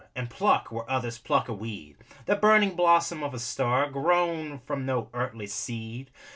And pluck, where others pluck a weed, The burning blossom of a star, Grown from no earthly seed.